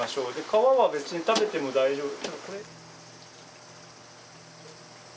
皮は別に食べても大丈夫。